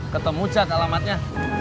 ketemu jack alamatnya